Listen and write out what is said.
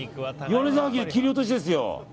米沢牛、切り落としですよ。